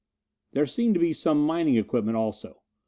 There seemed to be some mining equipment also.